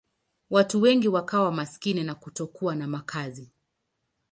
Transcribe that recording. Watu wengi wakawa maskini na kutokuwa na makazi.